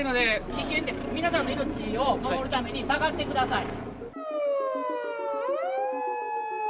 危険です、皆さんの命を守るために下がってください。